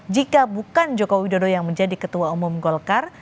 jika bukan jokowi dodo yang menjadi ketua umum golkar